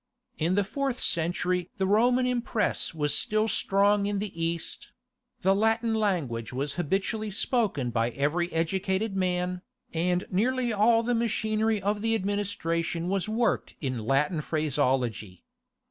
In the fourth century the Roman impress was still strong in the East; the Latin language was habitually spoken by every educated man, and nearly all the machinery of the administration was worked in Latin phraseology.